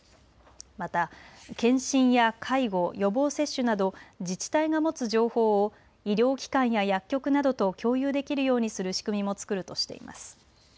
また検診や介護、予防接種など自治体が持つ情報を医療機関や薬局などと共有できるようにする仕組みも作るとしています。